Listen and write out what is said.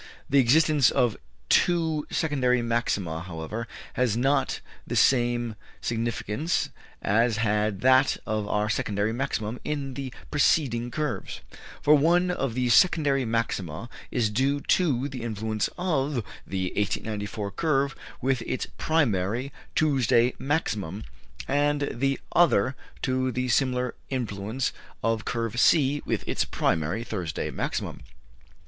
The existence of two secondary maxima, however, has not the same significance as had that of our secondary maximum in the preceding curves; for one of these secondary maxima is due to the influence of the 1894 curve with its primary Tuesday maximum, and the other to the similar influence of Curve C with its primary Thursday maximum.